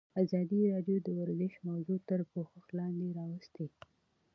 ازادي راډیو د ورزش موضوع تر پوښښ لاندې راوستې.